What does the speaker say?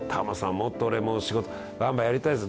もっと仕事バンバンやりたいです」